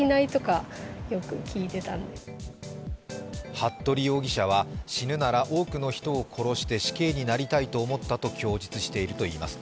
服部容疑者は死ぬなら多くの人を殺して死刑になりたいと思ったと供述しているといいます。